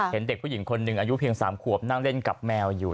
เห็นเด็กผู้หญิงคนหนึ่งอายุเพียง๓ขวบนั่งเล่นกับแมวอยู่